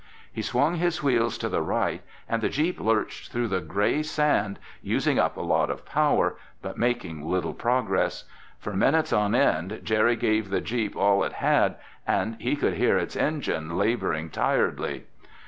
He swung his wheels to the right and the jeep lurched through the gray sand, using up a lot of power, but making little progress. For minutes on end Jerry gave the jeep all it had, and he could hear its engine laboring tiredly.